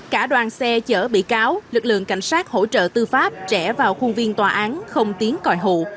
cả đoàn xe chở bị cáo lực lượng cảnh sát hỗ trợ tư pháp trẻ vào khuôn viên tòa án không tiến còi hụ